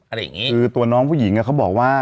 อย่างงี้คือตัวน้องผู้หญิงอ่ะเขาบอกว่า